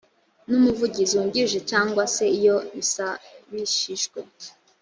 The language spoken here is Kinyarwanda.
n umuvugizi wungirije cyangwa se iyo bisabishijwe